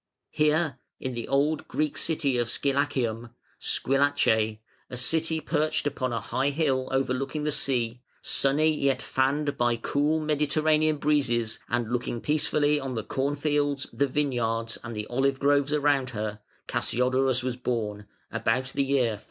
Here, in the old Greek city of Scyllacium (Sguillace), "a city perched upon a high hill overlooking the sea, sunny yet fanned by cool Mediterranean breezes, and looking peacefully on the cornfields, the vineyards, and the olive groves around her", Cassiodorus was born, about the year 480.